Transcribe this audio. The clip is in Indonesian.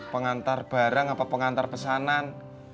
pengantar barang apa pengantar pesanan